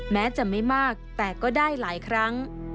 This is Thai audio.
แม้จะไม่มากแต่ก็ได้หลายครั้ง